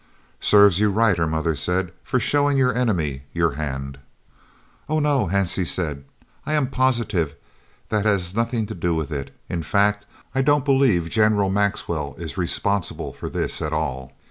"Serves you right," her mother said, "for showing your enemy your hand." "Oh no," Hansie said, "I am positive that has nothing to do with it; in fact, I don't believe General Maxwell is responsible for this at all.